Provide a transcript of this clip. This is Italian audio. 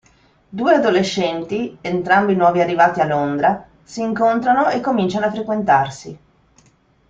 Due adolescenti, entrambi nuovi arrivati a Londra, si incontrano e cominciano a frequentarsi.